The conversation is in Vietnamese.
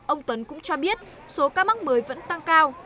ông tuấn cũng cho biết số ca mắc mới vẫn tăng cao